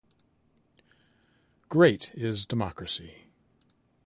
Great is democracy.